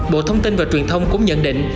bộ thông tin và truyền thông cũng nhận định